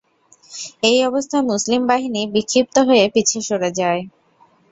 এই অবস্থায় মুসলিম বাহিনী বিক্ষিপ্ত হয়ে পিছে সরে যায়।